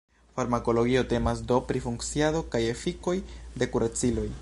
Farmakologio temas do pri funkciado kaj efikoj de kuraciloj.